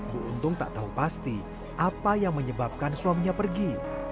bu untung tak tahu pasti apa yang menyebabkan suaminya pergi